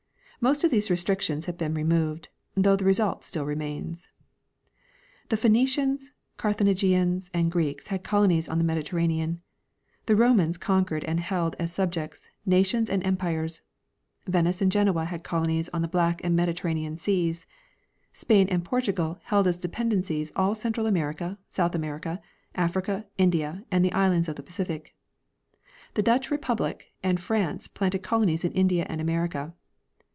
Most of these restrictions have been removed, though the re sult still remains. The Phoenicians, Carthagenians, and Greeks had colonies on the Mediterranean. The Romans conquered and held as sub jects, nations and empires. Venice and Genoa had colonies on the Black and Mediterranean seas. Sjjain and Portugal held as dependencies all Central America, South America, Africa, India, and the islands of the Pacific. The Dutch republic and France planted colonies in India and America.